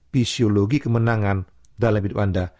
fisiologi kemenangan dalam hidup anda